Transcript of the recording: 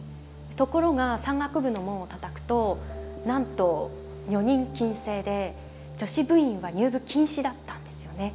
ところが山岳部の門をたたくとなんと女人禁制で女子部員は入部禁止だったんですよね。